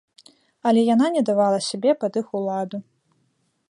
Але яна не давала сябе пад іх уладу.